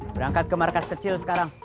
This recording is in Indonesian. berangkat ke markas kecil sekarang